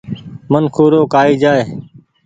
منکون رو ڪآئي جآئي ۔